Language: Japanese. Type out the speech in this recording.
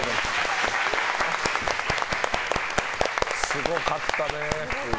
すごかったね。